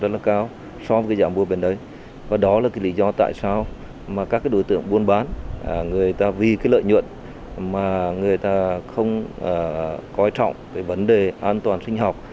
lý do tại sao các đối tượng buôn bán người ta vì lợi nhuận mà người ta không quan trọng vấn đề an toàn sinh học